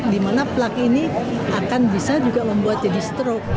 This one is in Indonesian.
di mana plak ini akan bisa juga membuat jadi strok